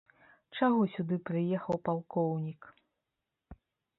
Чаго сюды прыехаў палкоўнік?